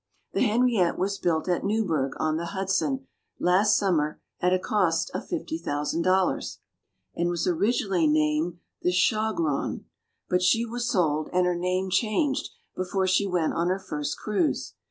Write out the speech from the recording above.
The Henriette was built at Newburgh, on the Hudson, last summer, at a cost of $50,000, and was originally named the Shaughraun; but she was sold, and her name changed, before she went on her first cruise.